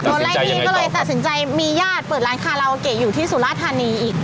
ไล่ที่ก็เลยตัดสินใจมีญาติเปิดร้านคาราโอเกะอยู่ที่สุราธานีอีก